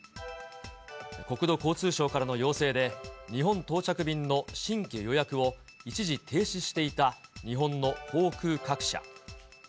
国土交通省からの要請で、日本到着便の新規予約を一時停止していた日本の航空各社。